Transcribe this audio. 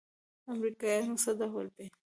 امريکايان څه ډول دي؟